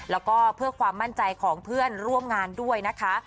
แล้วก็เพื่อความมั่นใจของเพื่อนร่วมงานด้วยนะคะ